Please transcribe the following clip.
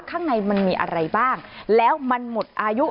ข้างในมันมีอะไรบ้างแล้วมันหมดอายุ